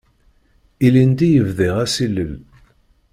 Ilindi i bdiɣ asilel.